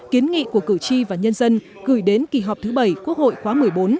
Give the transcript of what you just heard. kiến nghị của cử tri và nhân dân gửi đến kỳ họp thứ bảy quốc hội khóa một mươi bốn